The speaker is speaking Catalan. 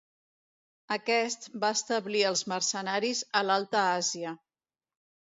Aquest va establir els mercenaris a l'alta Àsia.